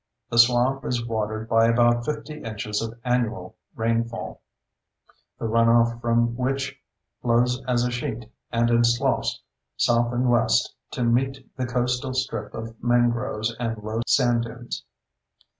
The swamp is watered by about 50 inches of annual rainfall, the runoff from which flows as a sheet and in sloughs south and west to meet the coastal strip of mangroves and low sand dunes.